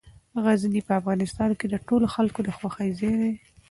غزني په افغانستان کې د ټولو خلکو د خوښې ځای دی.